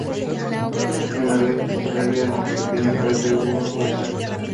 Al noroeste se halla el pequeño cráter Wollaston.